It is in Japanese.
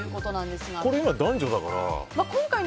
これは男女だから。